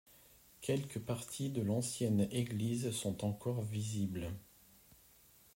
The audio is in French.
Quelques parties de l'ancienne église sont encore visibles.